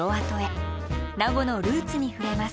名護のルーツに触れます。